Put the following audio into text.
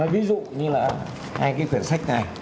ví dụ như là hai cái cuốn sách này